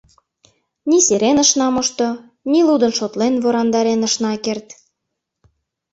Ни серен ышна мошто, ни лудын-шотлен ворандарен ышна керт.